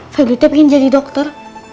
fadlita pengen jadi dokter